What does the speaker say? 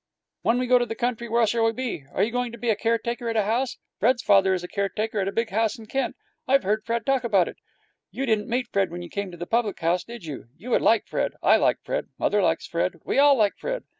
'When we go to the country, where shall we live? Are you going to be a caretaker at a house? Fred's father is a caretaker at a big house in Kent. I've heard Fred talk about it. You didn't meet Fred when you came to the public house, did you? You would like Fred. I like Fred. Mother likes Fred. We all like Fred.'